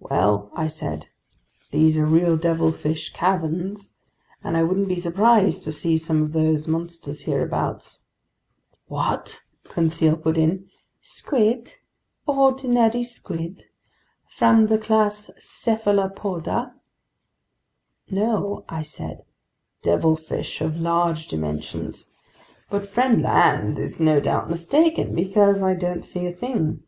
"Well," I said, "these are real devilfish caverns, and I wouldn't be surprised to see some of those monsters hereabouts." "What!" Conseil put in. "Squid, ordinary squid from the class Cephalopoda?" "No," I said, "devilfish of large dimensions. But friend Land is no doubt mistaken, because I don't see a thing."